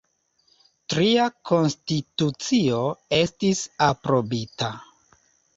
Tria konstitucio estis aprobita.